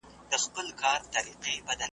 ستا په لار کي مي اوبه کړل په تڼاکو رباتونه .